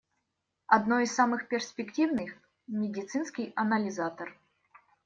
Одно из самых перспективных — медицинский анализатор.